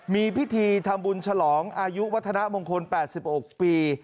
มีพิธีทำบุญฉลองอายุวัฒนามงคล๘๖ปี